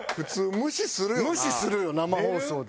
無視するよ生放送で。